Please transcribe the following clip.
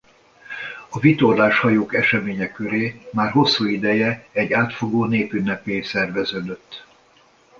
A vitorlás hajók eseménye köré már hosszú ideje egy átfogó népünnepély szerveződött.